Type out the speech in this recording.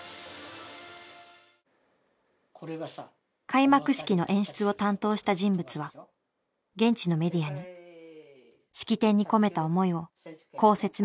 開幕式の演出を担当した人物は現地のメディアに式典に込めた思いをこう説明していました。